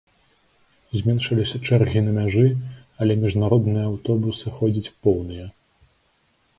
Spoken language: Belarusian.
Зменшыліся чэргі на мяжы, але міжнародныя аўтобусы ходзяць поўныя.